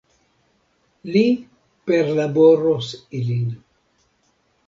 Li perlaboros ilin.